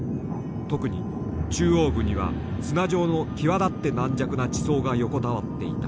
特に中央部には砂状の際立って軟弱な地層が横たわっていた。